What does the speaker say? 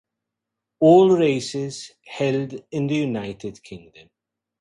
All races held in United Kingdom.